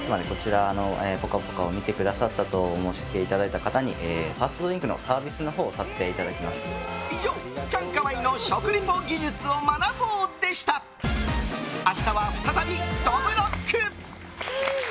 ８月末までこちらの「ぽかぽか」を見てくださったとお申し付けいただいた方にファーストドリンクのサービスのほうを以上、チャンカワイの食リポ技術を学ぼう！でした。明日は再びどぶろっく！